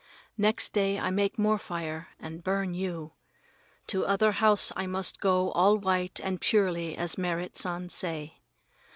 Next day I make more fire and burn you. To other house I must go all white and purely as Merrit San say.